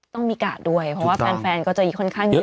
ต้องมีกาดด้วยเพราะว่าแฟนก็จะค่อนข้างเยอะ